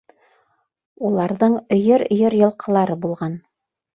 Уларҙың өйөр-өйөр йылҡылары булған.